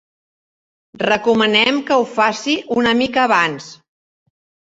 Recomanem que ho faci una mica abans.